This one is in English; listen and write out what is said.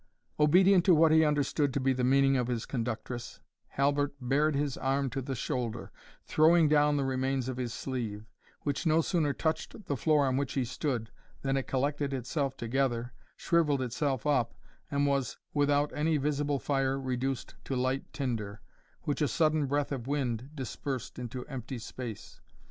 Obedient to what he understood to be the meaning of his conductress, Halbert bared his arm to the shoulder, throwing down the remains of his sleeve, which no sooner touched the floor on which he stood than it collected itself together, shrivelled itself up, and was without any visible fire reduced to light tinder, which a sudden breath of wind dispersed into empty space.